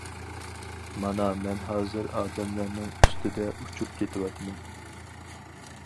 مانا مەن ھازىر ئادەملەرنىڭ ئۈستىدە ئۇچۇپ كېتىۋاتىمەن.